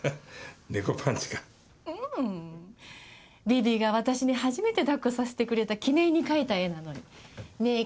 ビビが私に初めて抱っこさせてくれた記念に描いた絵なのに猫パンチ。